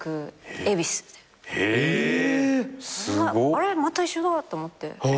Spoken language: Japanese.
あれまた一緒だと思って。